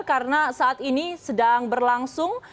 karena saat ini sedang berlangsung